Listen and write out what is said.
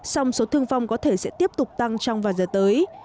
song số thương vong có thể sẽ tiếp tục tăng trong vài giờ tới